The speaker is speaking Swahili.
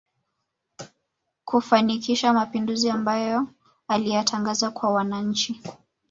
Kufanikisha mapinduzi amabayo aliyatangaza kwa wananchi